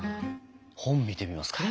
本見てみますか？